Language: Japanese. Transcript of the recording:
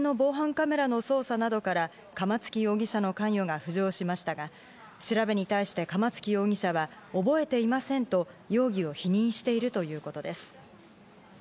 周辺の防犯カメラの捜査などから、釜付容疑者の関与が浮上しましたが、調べに対して釜付容疑者は覚えていませんと容疑を否認しているということです。